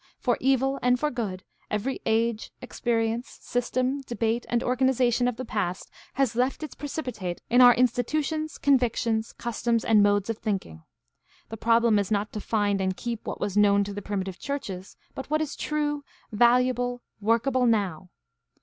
For evil and for good, every age, experience, system, debate, and organization of the past has left its precipitate in our institutions, convictions, customs, and modes of thinking. The problem is not to find and keep what was known to the primitive churches, but what is true, valuable, workable now.